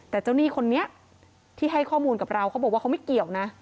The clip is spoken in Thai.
แต่เจ้าหนี้คนนี้ที่ให้ข้อมูลกับเราเขาบอกว่าเขาไม่เกี่ยวนะ